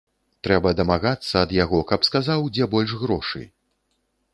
Трэба дамагацца ад яго, каб сказаў, дзе больш грошы.